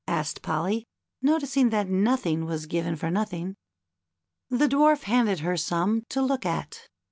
asked Polly, noticing that nothing was given for nothing. The Dwarf handed her some to look at.